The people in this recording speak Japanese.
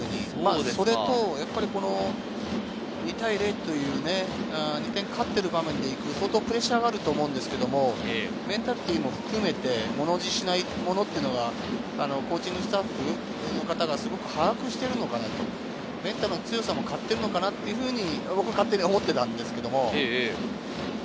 それと２対０という、２点勝ってる場面で相当プレッシャーがあると思うんですけれど、メンタリティーも含めて、物おじしないものっていうのがコーチングスタッフの方がすごく把握してるのかなって、メンタルの強さも勝ってるのかなって、僕は勝手に思ってたんですけれど。